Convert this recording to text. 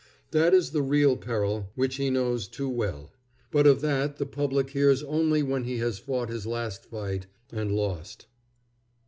That is the real peril which he knows too well; but of that the public hears only when he has fought his last fight, and lost.